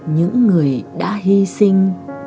những người đã hy sinh